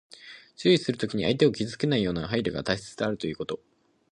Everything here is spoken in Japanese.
注意するときに、相手を傷つけないような配慮が大切であるということ。